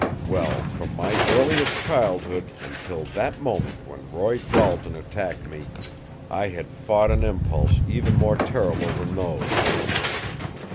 Well, from my earliest childhood until that moment when Roy Dalton attacked me, I had fought an impulse even more terrible than those.